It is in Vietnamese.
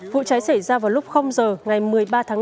vụ cháy xảy ra vào lúc giờ ngày một mươi ba tháng năm